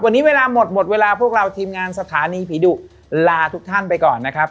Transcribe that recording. วันนี้เวลาหมดหมดเวลาพวกเราทีมงานสถานีผีดุลาทุกท่านไปก่อนนะครับ